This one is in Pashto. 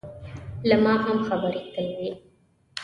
له ما هم خبرې تل وي.